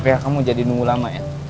ya kamu jadi nunggu lama ya